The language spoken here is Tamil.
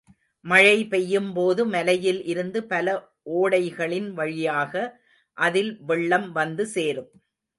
மழை பெய்யும்போது மலையில் இருந்து பல ஓடைகளின் வழியாக அதில் வெள்ளம் வந்து சேரும்.